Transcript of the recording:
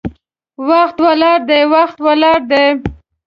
وخت ولاړ دی، وخت ولاړ دی